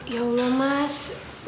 ya allah mas